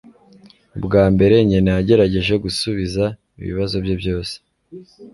Ubwa mbere, nyina yagerageje gusubiza ibibazo bye byose.